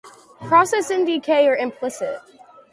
Process and decay are implicit.